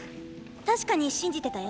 確かに信じてたよ